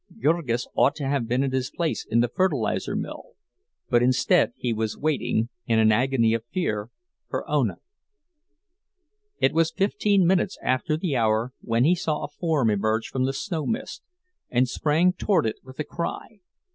Jurgis ought to have been at his place in the fertilizer mill; but instead he was waiting, in an agony of fear, for Ona. It was fifteen minutes after the hour when he saw a form emerge from the snow mist, and sprang toward it with a cry.